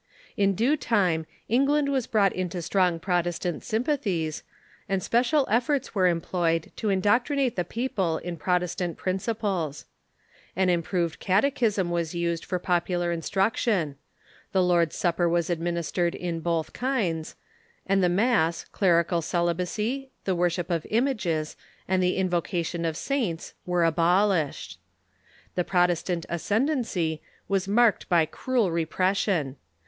In due time England was brought into strong Protestant sympathies, and special efforts Avere employed to indoctrinate the people in Protestant principles. An improved catechism was used for popular instruction ; the Lord's Supper Avas administered in both kinds ; and the mass, clerical celibacy, the Avorshijj of images, and the invocation 262 THE REFORMATION of saints were abolislied. The Protestant ascendency was marked by cruel repression.